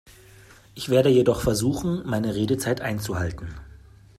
Ich werde jedoch versuchen, meine Redezeit einzuhalten.